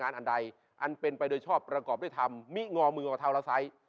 การงานอันใดอันเป็นไปโดยชอบประกอบด้วยธรรมมิงอมือกับธาวราษัย